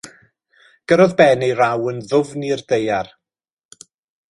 Gyrrodd Ben ei raw yn ddwfn i'r ddaear.